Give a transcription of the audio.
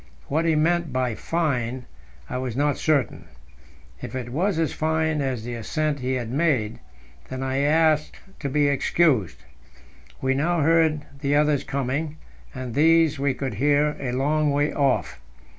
What he meant by "fine" I was not certain. If it was as fine as the ascent he had made, then I asked to be excused. We now heard the others coming, and these we could hear a long way off.